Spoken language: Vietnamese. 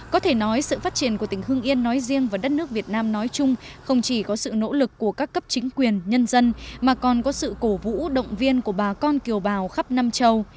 có thể nói sự phát triển của tỉnh hưng yên nói riêng và đất nước việt nam nói chung không chỉ có sự nỗ lực của các cấp chính quyền nhân dân mà còn có sự cổ vũ động viên của bà con kiều bào khắp nam châu